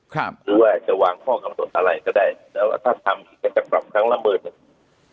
หรือว่าจะวางข้อกำหนดอะไรก็ได้แล้วถ้าทำอีกก็จะกลับครั้งละหมื่นหนึ่ง